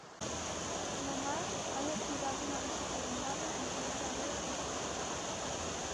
No mar, hai activado un aviso por ondada entre Ribadeo e Fisterra.